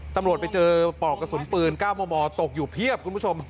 ตำรวจไปเจอปอกกระสุนปืน๙มมตกอยู่เพียบคุณผู้ชม